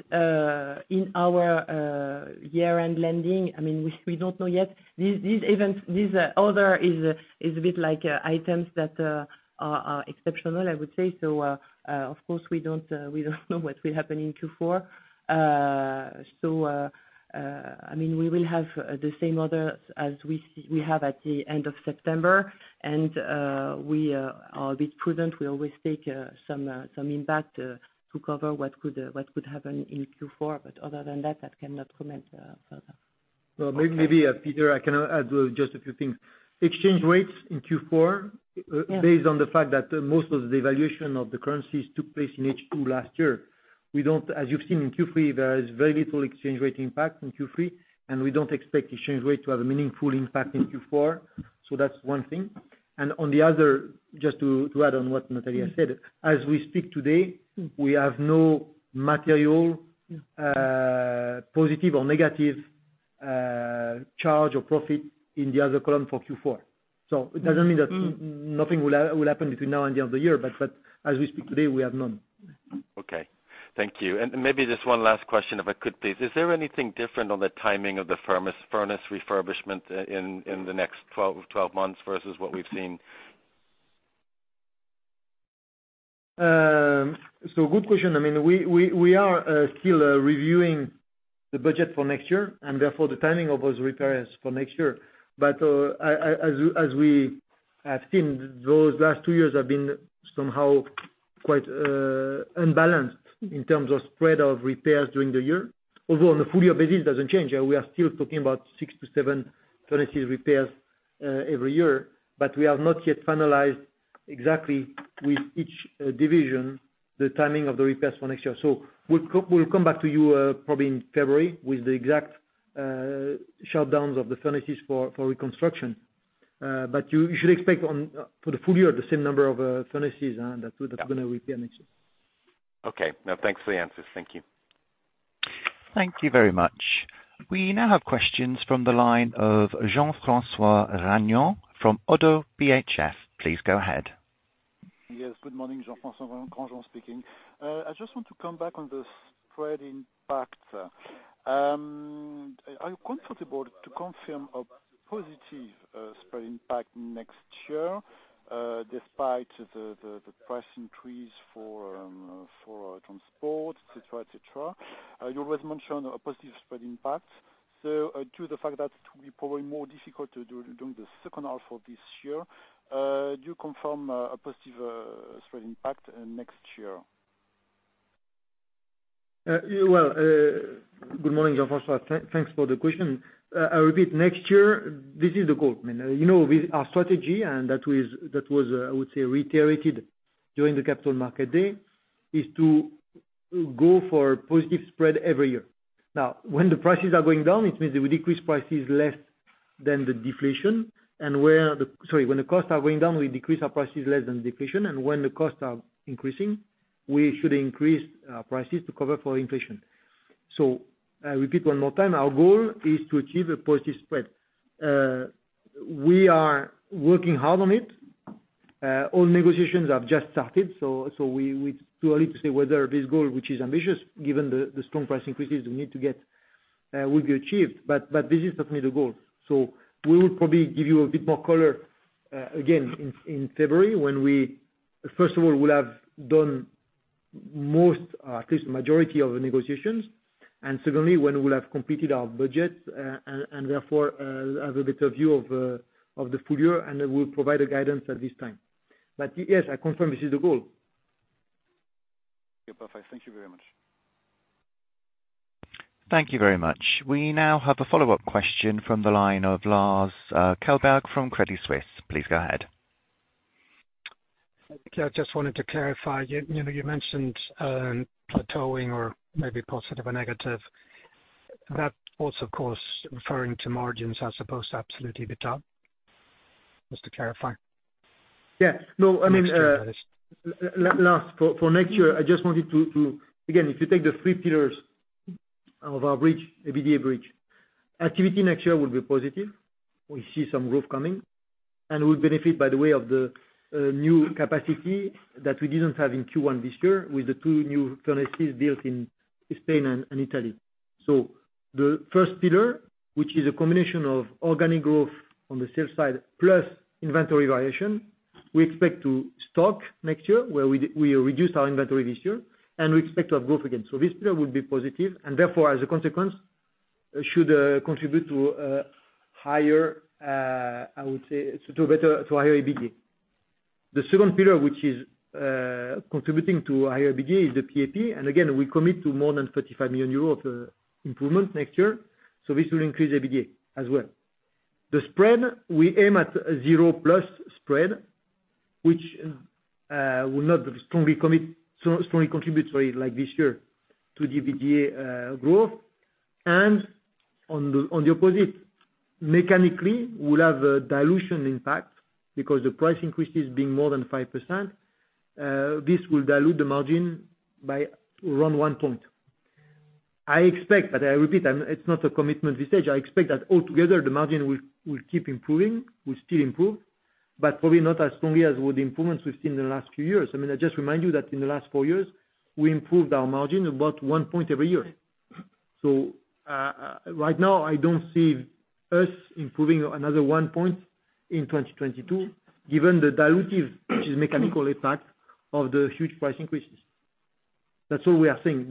in our year-end closing, I mean, we don't know yet. These events, these others are a bit like items that are exceptional, I would say. I mean, we will have the same others as we have at the end of September. We are a bit prudent. We always take some impact to cover what could happen in Q4. Other than that, I cannot comment further. Well, maybe, Peter, I can add just a few things. Exchange rates in Q4 Yeah. Based on the fact that most of the revaluation of the currencies took place in H2 last year. As you've seen in Q3, there is very little exchange rate impact in Q3, and we don't expect exchange rate to have a meaningful impact in Q4. That's one thing. On the other, just to add on what Nathalie said, as we speak today, we have no material positive or negative, charge or profit in the other column for Q4. It doesn't mean that nothing will happen between now and the end of the year, but as we speak today, we have none. Okay. Thank you. Maybe just one last question if I could please. Is there anything different on the timing of the furnace refurbishment in the next 12 months versus what we've seen? Good question. I mean, we are still reviewing the budget for next year, and therefore the timing of those repairs for next year. As we have seen, those last two years have been somehow quite unbalanced in terms of spread of repairs during the year. Although on a full year basis doesn't change. We are still talking about 6 to 7 furnaces repairs every year, but we have not yet finalized exactly with each division the timing of the repairs for next year. We'll come back to you probably in February with the exact shutdowns of the furnaces for reconstruction. You should expect for the full year the same number of furnaces that's gonna repair next year. Okay. No, thanks for the answers. Thank you. Thank you very much. We now have questions from the line of Jean-François Granjon from ODDO BHF. Please go ahead. Yes. Good morning, Jean-François Granjon speaking. I just want to come back on the spread impact. Are you comfortable to confirm a positive spread impact next year, despite the price increase for transport, et cetera, et cetera? You always mention a positive spread impact. Due to the fact that it will be probably more difficult to do during the second half of this year, do you confirm a positive spread impact next year? Yeah, well, good morning, Jean-François Granjon. Thanks for the question. I repeat, next year, this is the goal. I mean, you know, with our strategy, and that was, I would say, reiterated during the Capital Markets Day, is to go for positive spread every year. Now, when the prices are going down, it means that we decrease prices less than the deflation. When the costs are going down, we decrease our prices less than the deflation. And when the costs are increasing, we should increase prices to cover for inflation. I repeat one more time, our goal is to achieve a positive spread. We are working hard on it. All negotiations have just started. It's too early to say whether this goal, which is ambitious, given the strong price increases we need to get, will be achieved, but this is certainly the goal. We will probably give you a bit more color, again, in February when we first of all will have done most, at least the majority of the negotiations. Secondly, when we will have completed our budget, and therefore, have a better view of the full year, and then we'll provide a guidance at this time. Yes, I confirm this is the goal. Okay, perfect. Thank you very much. Thank you very much. We now have a follow-up question from the line of Lars Kjellberg from Credit Suisse. Please go ahead. I just wanted to clarify. You know, you mentioned plateauing or maybe positive or negative, that also, of course, referring to margins as opposed to absolute volumes. Just to clarify. Yeah. No, I mean. I'm extremely interested. Last, for next year, I just wanted to. Again, if you take the three pillars of our bridge, EBITDA bridge, activity next year will be positive. We see some growth coming. We'll benefit by way of the new capacity that we didn't have in Q1 this year with the two new furnaces built in Spain and Italy. The first pillar, which is a combination of organic growth on the sales side, plus inventory valuation, we expect to stock next year where we reduced our inventory this year, and we expect to have growth again. This pillar would be positive and therefore as a consequence should contribute to higher, I would say, to better, to higher EBITDA. The second pillar, which is contributing to higher EBITDA is the PAP. We commit to more than 35 million euros of improvement next year. This will increase EBITDA as well. The spread, we aim at zero plus spread, which will not strongly contribute, sorry, like this year to the EBITDA growth. On the opposite, mechanically we'll have a dilution impact because the price increase is being more than 5%. This will dilute the margin by around 1 point. I expect that, I repeat, it's not a commitment this stage, I expect that all together the margin will keep improving, will still improve, but probably not as strongly as with the improvements we've seen in the last few years. I mean, I just remind you that in the last 4 years, we improved our margin about 1 point every year. Right now, I don't see us improving another 1 point in 2022, given the dilutive, which is mechanical impact of the huge price increases. That's all we are seeing.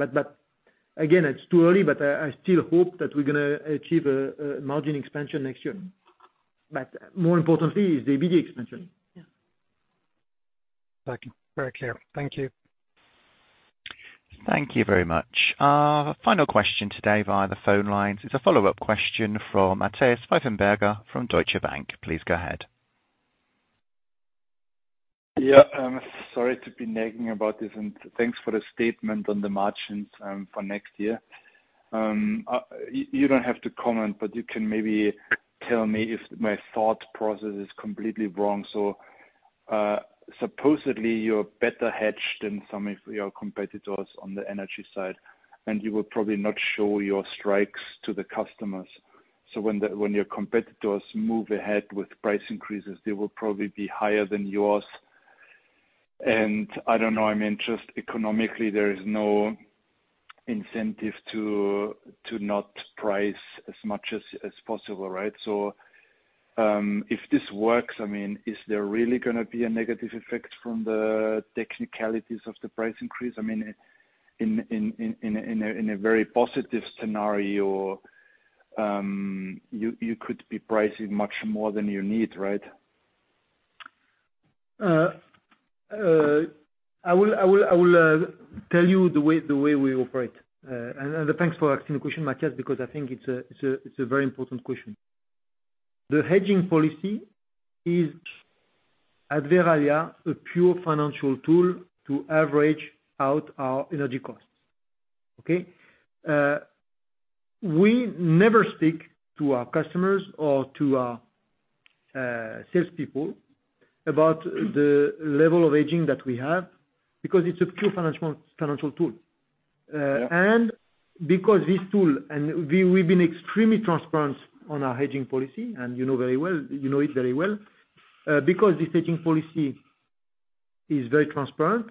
Again, it's too early, but I still hope that we're gonna achieve a margin expansion next year. More importantly is the EBITDA expansion. Thank you. Very clear. Thank you. Thank you very much. Final question today via the phone lines is a follow-up question from Matthias Pfeifenberger from Deutsche Bank. Please go ahead. Sorry to be nagging about this and thanks for the statement on the margins for next year. You don't have to comment, but you can maybe tell me if my thought process is completely wrong. Supposedly you're better hedged than some of your competitors on the energy side, and you will probably not show your strikes to the customers. When your competitors move ahead with price increases, they will probably be higher than yours. I don't know, I mean, just economically there is no incentive to not price as much as possible, right? If this works, I mean, is there really gonna be a negative effect from the technicalities of the price increase? I mean, in a very positive scenario, you could be pricing much more than you need, right? I will tell you the way we operate. Thanks for asking the question, Matthias, because I think it's a very important question. The hedging policy is at Verallia, a pure financial tool to average out our energy costs. Okay? We never speak to our customers or to our salespeople about the level of hedging that we have because it's a pure financial tool. Yeah. We've been extremely transparent on our hedging policy, and you know very well, you know it very well. Because this hedging policy is very transparent,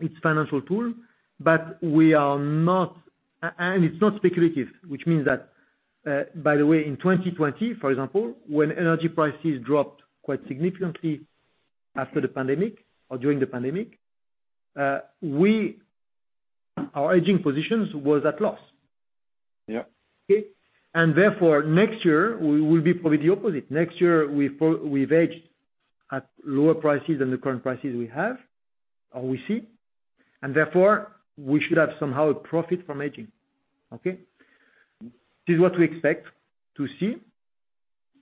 it's financial tool, and it's not speculative, which means that, by the way, in 2020, for example, when energy prices dropped quite significantly after the pandemic or during the pandemic, our hedging positions was at loss. Okay? Next year we will be probably the opposite. Next year we've hedged at lower prices than the current prices we have or we see, and therefore we should have somehow a profit from hedging. Okay? This is what we expect to see,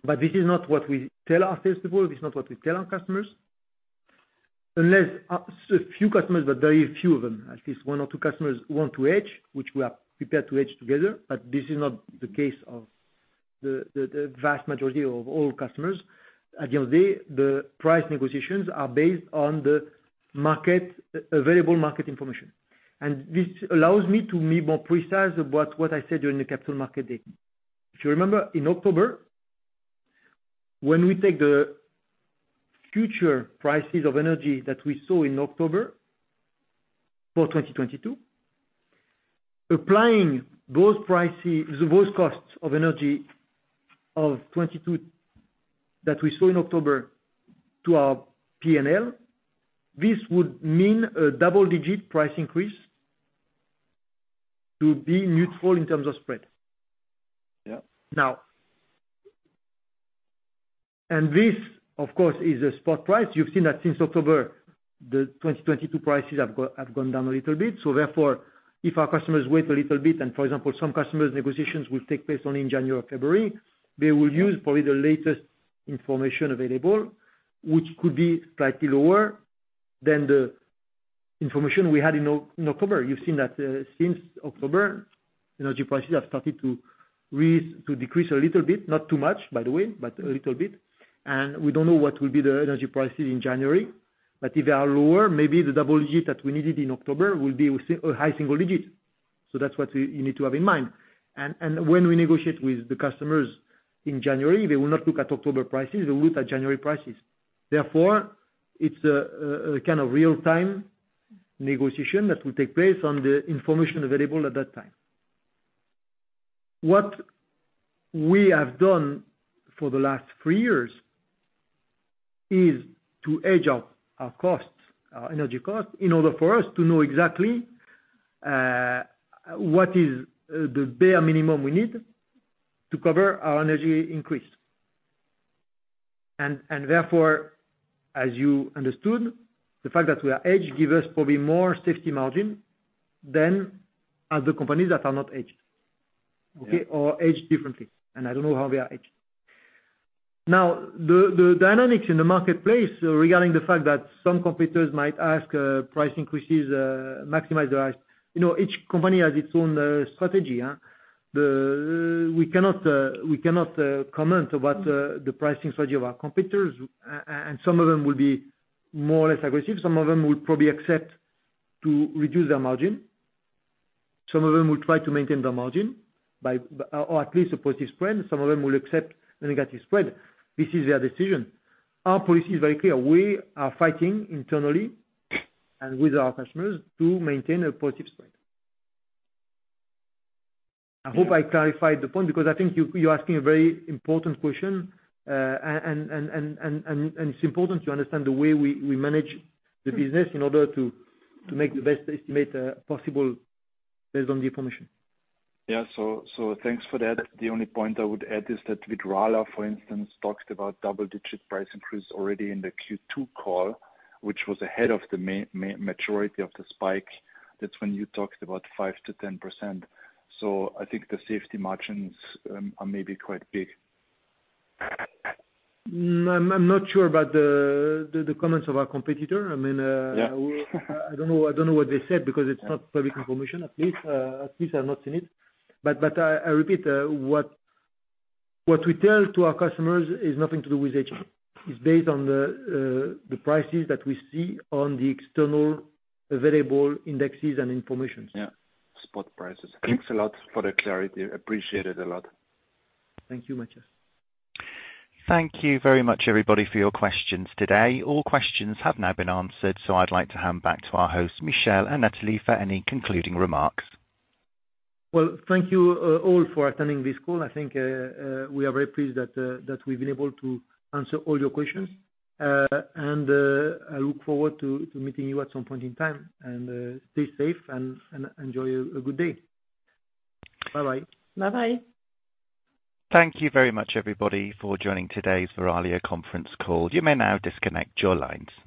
but this is not what we tell our salespeople. This is not what we tell our customers. Unless, so a few customers, but very few of them, at least one or two customers want to hedge, which we are prepared to hedge together, but this is not the case of the vast majority of all customers. At the end of the day, the price negotiations are based on the market, available market information. This allows me to be more precise about what I said during the Capital Markets Day. If you remember in October, when we take the future prices of energy that we saw in October for 2022, applying those prices, those costs of energy of 2022 that we saw in October to our P&L, this would mean a double-digit price increase to be neutral in terms of spread. Now, this of course is a spot price. You've seen that since October, the 2022 prices have gone down a little bit. Therefore, if our customers wait a little bit, and for example, some customers negotiations will take place only in January or February, they will use probably the latest information available, which could be slightly lower than the information we had in October. You've seen that, since October, energy prices have started to decrease a little bit, not too much, by the way, but a little bit, and we don't know what will be the energy prices in January. But if they are lower, maybe the double digit that we needed in October will be a high single digit. That's what you need to have in mind. When we negotiate with the customers in January, they will not look at October prices. They will look at January prices. Therefore, it's a kind of real time negotiation that will take place on the information available at that time. What we have done for the last three years is to hedge our costs, our energy costs, in order for us to know exactly what is the bare minimum we need to cover our energy increase. Therefore, as you understood, the fact that we are hedged give us probably more safety margin than other companies that are not hedged. Yeah. Okay? Or hedged differently, and I don't know how they are hedged. Now, the dynamics in the marketplace regarding the fact that some competitors might ask price increases, maximize their, you know, each company has its own strategy, yeah. We cannot comment about the pricing strategy of our competitors. Some of them will be more or less aggressive. Some of them will probably accept to reduce their margin. Some of them will try to maintain their margin by, or at least a positive spread. Some of them will accept a negative spread. This is their decision. Our policy is very clear. We are fighting internally and with our customers to maintain a positive spread. I hope I clarified the point because I think you're asking a very important question. It's important to understand the way we manage the business in order to make the best estimate possible based on the information. Thanks for that. The only point I would add is that Vidrala, for instance, talked about double-digit price increase already in the Q2 call, which was ahead of the majority of the spike. That's when you talked about 5%-10%. I think the safety margins are maybe quite big. I'm not sure about the comments of our competitor. I mean, I don't know what they said because it's not public information, at least. At least I've not seen it. I repeat, what we tell to our customers is nothing to do with hedging. It's based on the prices that we see on the external available indexes and information. Yeah. Spot prices. Thanks a lot for the clarity. Appreciate it a lot. Thank you, Matthias. Thank you very much, everybody, for your questions today. All questions have now been answered, so I'd like to hand back to our hosts, Michel and Nathalie for any concluding remarks. Well, thank you, all for attending this call. I think we are very pleased that that we've been able to answer all your questions. I look forward to meeting you at some point in time. Stay safe and enjoy a good day. Bye-bye. Bye-bye. Thank you very much, everybody, for joining today's Verallia conference call. You may now disconnect your lines.